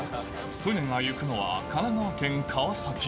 船が行くのは神奈川県川崎。